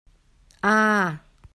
啊～